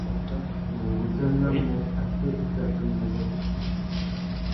Nʼgudjanamú atê i tà tumba ungôndô uzu.